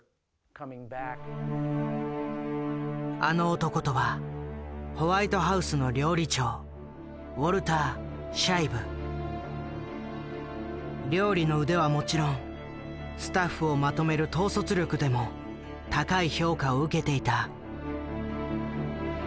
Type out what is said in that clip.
あの男とはホワイトハウスの料理の腕はもちろんスタッフをまとめる統率力でも高い評価を受けていた。